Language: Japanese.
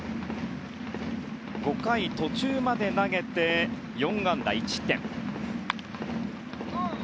５回途中まで投げて４安打１失点。